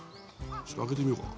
ちょっと開けてみようか。